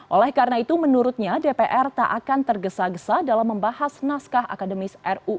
oleh karena itu menurutnya dpr tak akan tergesa gesa dalam membahas naskah akademis ruu